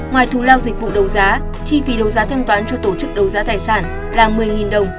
ngoài thù lao dịch vụ đấu giá chi phí đấu giá thanh toán cho tổ chức đấu giá tài sản là một mươi đồng